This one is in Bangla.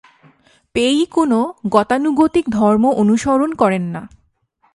পেই কোন গতানুগতিক ধর্ম অনুসরণ করেন না।